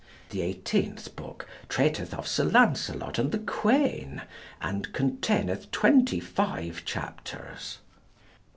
The eighteenth book treateth of Sir Lancelot and the Queen, and containeth 25 chapters.